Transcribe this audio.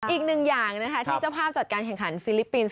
อีกหนึ่งอย่างนะคะที่เจ้าภาพจัดการแข่งขันฟิลิปปินส์